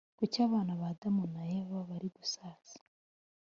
Kuki abana ba Adamu na Eva bari gusaza